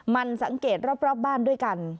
มันสังเกตรอบบ้านด้วยกัน